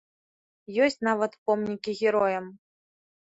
Ёсць нават помнікі героям.